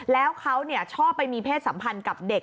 แล้วเขาชอบไปมีเพศสัมพันธ์กับเด็ก